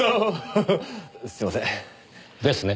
すいません。ですね。